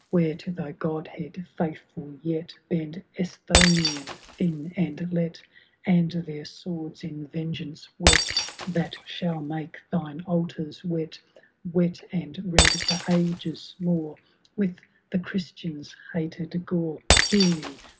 Where, to thy godhead faithful yet. Bend Esthonian, Finn, and Lett, And their swords in vengeance whet That shall make thine altars wet, Wet and red for ages more With the Christian's hated gore,— Hear me